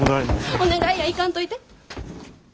お願いや行かんといて。